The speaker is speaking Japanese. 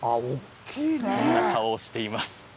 こんな顔をしています。